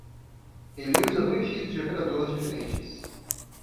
Ele usa dois chips de operadoras diferentes